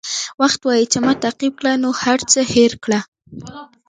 وخت وایي چې ما تعقیب کړه نور هر څه هېر کړه.